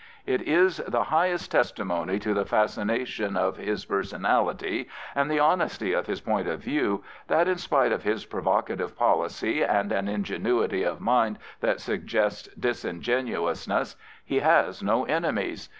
It is the highest testimony to the fascination of his personality, and the honesty of his point of view, that, in spite of his provocative policy and an ingenuity of mind that suggests disingenuousness, he has no enemies.